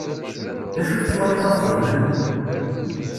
D acu tettwaliḍ ad t-xedmen?